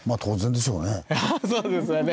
まあそうですよね。